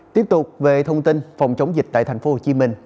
tiếp tục về thông tin phòng chống dịch tại tp hcm